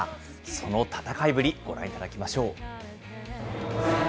その戦いぶり、ご覧いただきましょう。